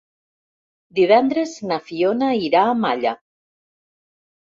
Divendres na Fiona irà a Malla.